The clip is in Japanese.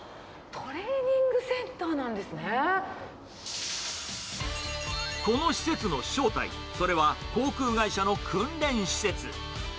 トレーニングセンターなんでこの施設の正体、それは航空会社の訓練施設。